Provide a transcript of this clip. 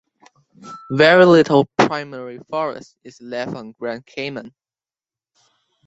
Very little primary forest is left on Grand Cayman.